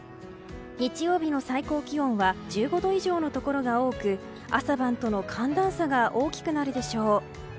日曜日の最高気温は１５度以上のところが多く朝晩との寒暖差が大きくなるでしょう。